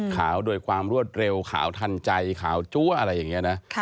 ด้วยความรวดเร็วขาวทันใจขาวจั๊วอะไรอย่างนี้นะ